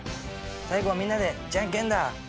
最後はみんなでじゃんけんだ。